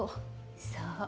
そう。